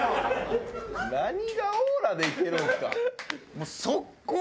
何がオーラでいけるんですか！